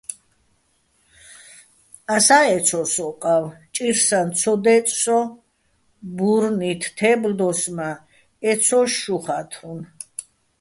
ასა́ ეცო́ს ო ყა́ვ, ჭირსაჼ ცო დე́წ სოჼ, ბურნით თე́ბლდოს, მა́ ეცო́ს, შუ ხა́თრუნ.